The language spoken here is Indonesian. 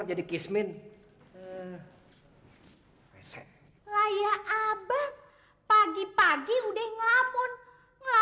tidak ada apa apa